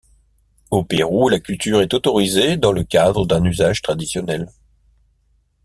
Au Pérou, la culture est autorisée dans le cadre d'un usage traditionnel.